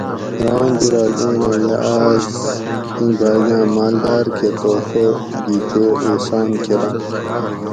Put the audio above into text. ران جولاگ اینوں یہ آس ایں باگاۤں مالداۤر کہ تحفہ گھی چو احسان کۤرم